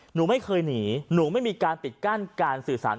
หนูไม่เคยหนีหนูไม่มีการปิดกั้นการสื่อสาร